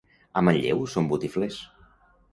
A Manlleu són botiflers.